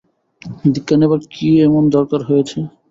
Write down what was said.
দীক্ষা নেবার কী এমন দরকার হয়েছে?